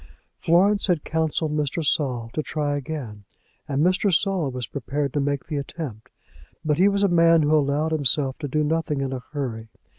Florence had counselled Mr. Saul to try again, and Mr. Saul was prepared to make the attempt; but he was a man who allowed himself to do nothing in a hurry.